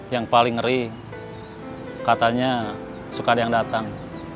yang paling ngeri katanya suka ada yang datang